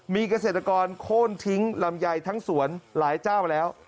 มีเกษตรกรโค้นทิ้งลำไยทั้งสวนหลายเจ้าแล้ว